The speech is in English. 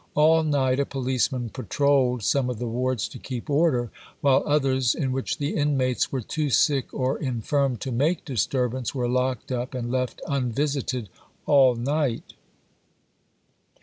All night a policeman patrolled some of the wards to keep order, while others, in which the inmates were too sick or infirm to make disturbance, were locked up and left unvisited all night."